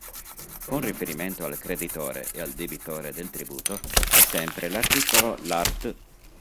Con riferimento al creditore e al debitore del tributo, è sempre l’articolo l’art.